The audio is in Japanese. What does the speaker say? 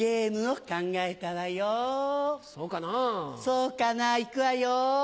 そうかなぁいくわよ。